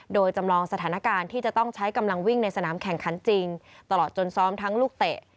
โดยจำลองสถานการณ์ที่จะต้องใช้กำลังวิ่งในสนามแข่งขันจริงตลอดจนซ้อมทั้งลูกเตะ